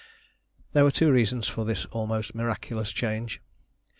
There were two reasons for this almost miraculous change.